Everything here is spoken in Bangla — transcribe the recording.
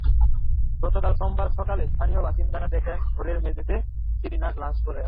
গতকাল সোমবার সকালে স্থানীয় বাসিন্দারা দেখেন ঘরের মেঝেতে সেলিনার লাশ পড়ে আছে।